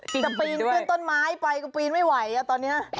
แต่ปีนต้นไม้ไปก็ปีนไม่ไหวอ่ะตอนนี้